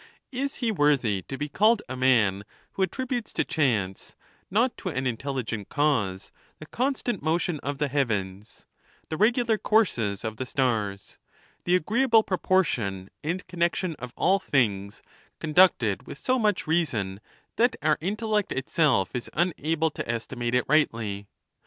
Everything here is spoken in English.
Is he worthy to be called a man who attributes to chance, not to an intelligent cause, the constant motion of the heavens, the regular courses of the stars, the agreeable proportion and connection of all things, conducted with so much reason that our intellect itself is unable to estimate it rightly